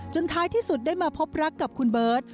ท้ายที่สุดได้มาพบรักกับคุณเบิร์ต